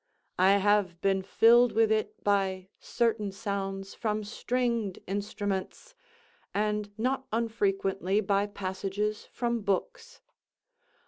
I have been filled with it by certain sounds from stringed instruments, and not unfrequently by passages from books.